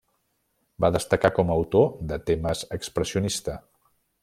Va destacar com a autor de temes expressionista.